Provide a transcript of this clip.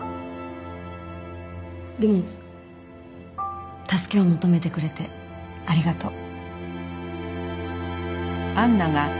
でも助けを求めてくれてありがとう。